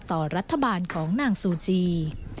ต่อรัฐบาลของนางซูจี